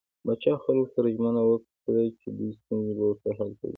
پاچا خلکو سره ژمنه وکړه چې د دوي ستونزې به ورته حل کوي .